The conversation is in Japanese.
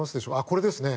これですね。